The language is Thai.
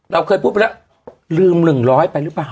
เราเคยพูดไปแล้วลืม๑๐๐ไปหรือเปล่า